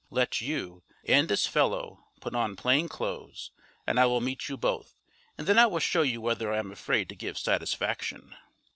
Let you, and this fellow, put on plain clothes, and I will meet you both; and then I will show you whether I am afraid to give satisfaction."